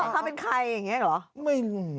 รู้ต่อค่ะเป็นใครอย่างเงี้ยหรอไม่ฮือ